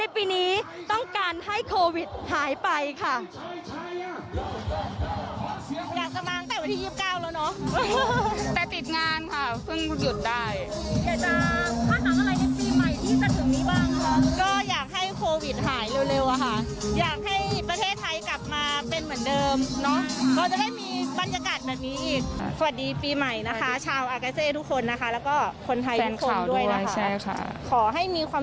ปีนี้ต้องการให้โควิดหายไปค่ะ